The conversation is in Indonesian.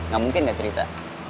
ga mungkin ga cerita